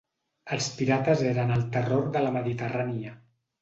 Els pirates eren el terror de la Mediterrània.